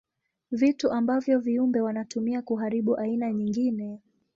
Vitu ambavyo viumbe wanatumia kuharibu aina nyingine.